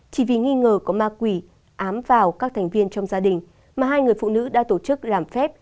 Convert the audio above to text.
chỉ vì nghi ngờ có ma quỷ ám vào các thành viên trong gia đình mà hai người phụ nữ đã tổ chức làm phép